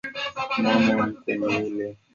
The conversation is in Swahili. Mama mkwe ni yule.